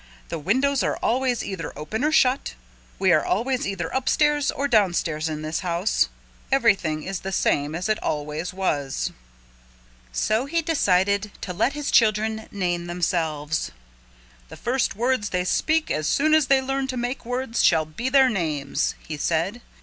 The windows are always either open or shut. We are always either upstairs or downstairs in this house. Everything is the same as it always was." So he decided to let his children name themselves. "The first words they speak as soon as they learn to make words shall be their names," he said.